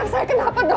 anak saya kenapa dok